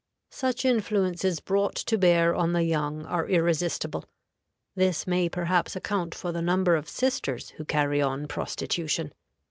Such influences brought to bear on the young are irresistible. This may perhaps account for the number of sisters who carry on prostitution.